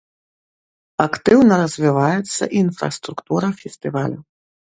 Актыўна развіваецца інфраструктура фестывалю.